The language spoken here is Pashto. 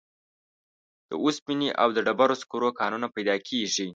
د اوسپنې او ډبرو سکرو کانونه پیدا کیږي.